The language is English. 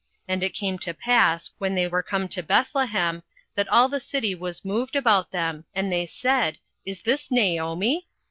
And it came to pass, when they were come to Bethlehem, that all the city was moved about them, and they said, Is this Naomi?